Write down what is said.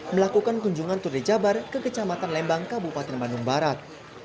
melakukan kunjungan tur dijabar ke kecamatan lembang kabupaten bandung barat